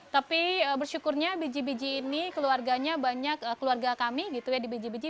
tapi bersyukurnya biji biji ini keluarganya banyak keluarga kami gitu ya di biji biji